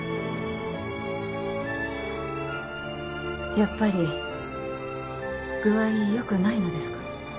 やっぱり具合よくないのですか？